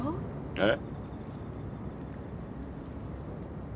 えっ？